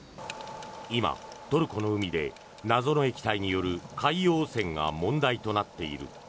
今、トルコの海で謎の液体による海洋汚染が問題となっている。